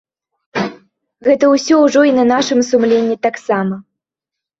Гэта ўсё ўжо і на нашым сумленні таксама.